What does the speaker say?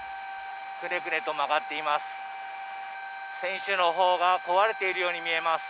ぐねぐねと曲がっています。